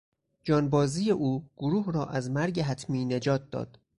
جانبازی او گروه را از مرگ حتمی نجات داد.